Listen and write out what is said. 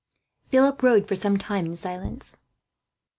Philip rode for some time in silence.